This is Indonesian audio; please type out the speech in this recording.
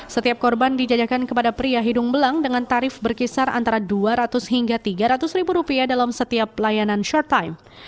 setiap korban dijajakan kepada pria hidung belang dengan tarif berkisar antara dua ratus hingga tiga ratus ribu rupiah dalam setiap pelayanan short time